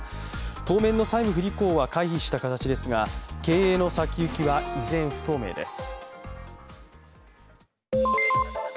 当面の債務不履行は回避した形ですが、経営の先行きは依然、不透明です。